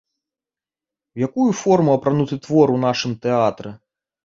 У якую форму апрануты твор у нашым тэатры?